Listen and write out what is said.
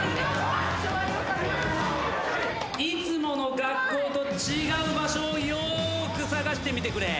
いつもの学校と違う場所をよく捜してみてくれ。